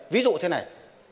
ví dụ thế này